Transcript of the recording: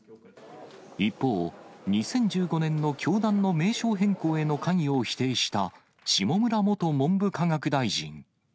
一方、２０１５年の教団の名称変更への関与を否定した、下村元文部科学大臣。